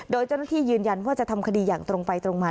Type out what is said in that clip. โดยเจ้าหน้าที่ยืนยันว่าจะทำคดีอย่างตรงไปตรงมา